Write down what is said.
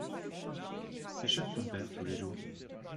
Qu'achète ton père tous les jours ?